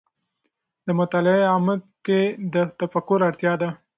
د مطالعې عمق کې د تفکر اړتیا ده.